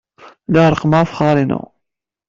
Lliɣ reqqmeɣ afexxar-inu.